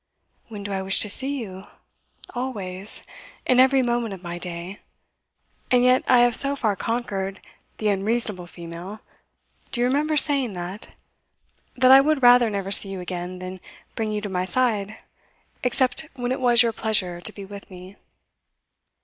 'When do I wish to see you? Always; in every moment of my day. And yet I have so far conquered "the unreasonable female" do you remember saying that? that I would rather never see you again than bring you to my side except when it was your pleasure to be with me.